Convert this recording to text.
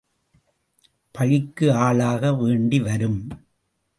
பழிக்கு ஆளாக வேண்டிவரும்.